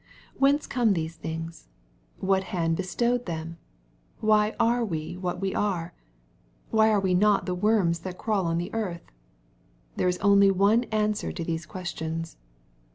Whence came these things ? What hand bestowed them ? Why are we what we are ? Why are we not the worms that crawl on the earth? There is only one answer to these questions.